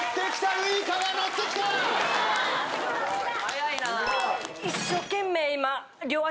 早いな。